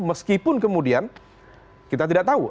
meskipun kemudian kita tidak tahu